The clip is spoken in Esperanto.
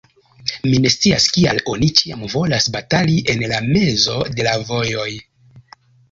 Mi ne scias, kial oni ĉiam volas batali en la mezo de la vojoj.